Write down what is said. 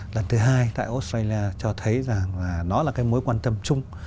lần thứ hai tại australia cho thấy rằng nó là cái mối quan tâm chung